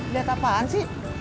lihat apaan sih